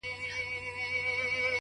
• اسره مي خدای ته وه بیا تاته,